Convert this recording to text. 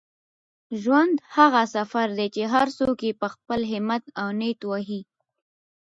ژوند هغه سفر دی چي هر څوک یې په خپل همت او نیت وهي.